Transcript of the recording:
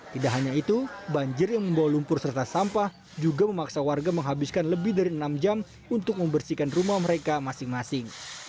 tidak hanya itu banjir yang membawa lumpur serta sampah juga memaksa warga menghabiskan lebih dari enam jam untuk membersihkan rumah mereka masing masing